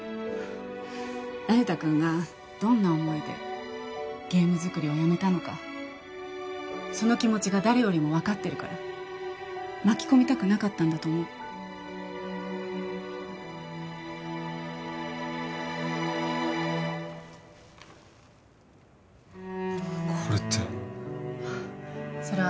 那由他君がどんな思いでゲーム作りをやめたのかその気持ちが誰よりも分かってるから巻き込みたくなかったんだと思うこれってそれ